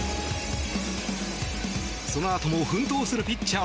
そのあとも奮闘するピッチャー